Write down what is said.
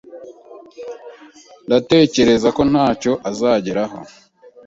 Ndatekereza ko ntacyo azageraho